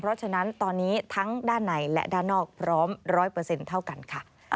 เพราะฉะนั้นตอนนี้ทั้งด้านในและด้านนอกพร้อม๑๐๐เท่ากันค่ะ